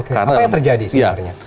apa yang terjadi sebenarnya